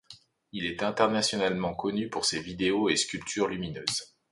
Il est internationalement connu pour ses vidéos et sculptures lumineuses.